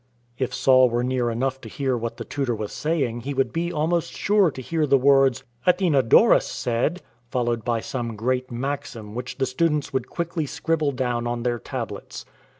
If Saul were near enough to hear what the tutor was saying he would be almost sure to hear the words, " Athenodorus said," followed by some great maxim, which the students would quickly scribble down on their tablets.